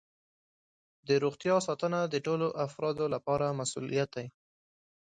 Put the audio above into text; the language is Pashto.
د روغتیا ساتنه د ټولو افرادو لپاره مسؤولیت دی.